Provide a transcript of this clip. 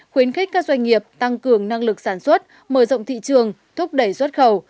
khuyến khích các doanh nghiệp tăng cường năng lực sản xuất mở rộng thị trường thúc đẩy xuất khẩu